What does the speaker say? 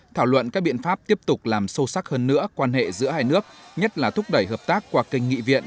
thảo luận các biện pháp tiếp tục làm sâu sắc hơn nữa quan hệ giữa hai nước nhất là thúc đẩy hợp tác qua kênh nghị viện